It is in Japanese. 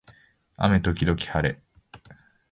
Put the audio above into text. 雨時々はれ